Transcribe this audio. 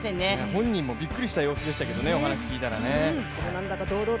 本人もびっくりした様子でしたけどね、お話聞いたら。